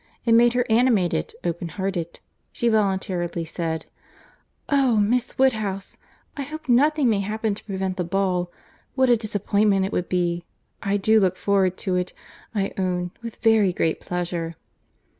It made her animated—open hearted—she voluntarily said;— "Oh! Miss Woodhouse, I hope nothing may happen to prevent the ball. What a disappointment it would be! I do look forward to it, I own, with very great pleasure."